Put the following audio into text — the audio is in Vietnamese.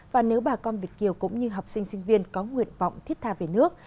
và nếu bà con việt kiều cũng như học sinh sinh viên có nguyện vọng thiết tha về nước